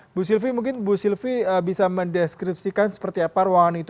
ibu sylvie mungkin ibu sylvie bisa mendeskripsikan seperti apa ruangan itu